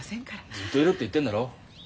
ずっといるって言ってんだろ。